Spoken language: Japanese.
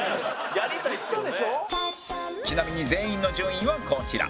ちなみに全員の順位はこちら